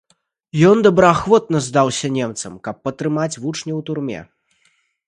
Ён добраахвотна здаўся немцам, каб падтрымаць вучняў у турме.